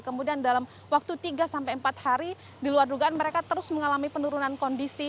kemudian dalam waktu tiga sampai empat hari di luar dugaan mereka terus mengalami penurunan kondisi